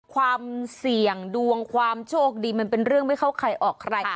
ความเสี่ยงดวงความโชคดีมันเป็นเรื่องไม่เข้าใครออกใคร